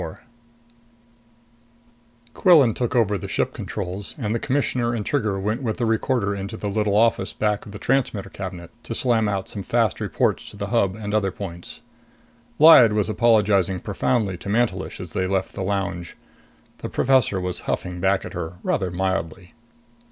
24 Quillan took over the ship controls, and the Commissioner and Trigger went with the recorder into the little office back of the transmitter cabinet, to slam out some fast reports to the Hub and other points. Lyad was apologizing profoundly to Mantelish as they left the lounge. The professor was huffing back at her, rather mildly.